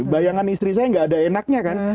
bayangan istri saya nggak ada enaknya kan